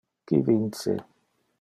Qui vince?